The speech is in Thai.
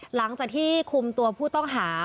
หลังจากที่คุมตัวผู้ต้องหา